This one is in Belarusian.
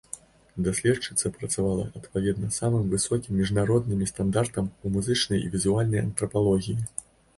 Даследчыца працавала адпаведна самым высокім міжнароднымі стандартам у музычнай і візуальнай антрапалогіі.